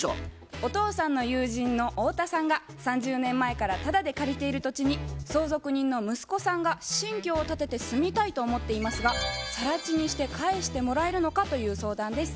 お父さんの友人の太田さんが３０年前からタダで借りている土地に相続人の息子さんが新居を建てて住みたいと思っていますが「更地にして返してもらえるのか？」という相談です。